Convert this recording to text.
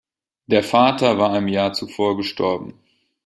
Der Vater war im Jahr zuvor gestorben.